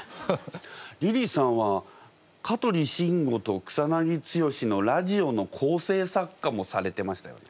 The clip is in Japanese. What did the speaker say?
リリーさんは香取慎吾と草剛のラジオの構成作家もされてましたよね？